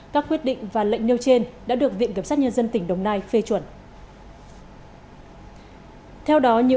các quyết định và lệnh nêu trên đã được viện cập sát nhân dân tỉnh đồng nai phê chuẩn